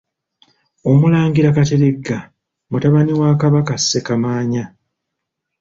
OMULANGIRA Kateregga mutabani wa Ssekabaka Ssekamaanya.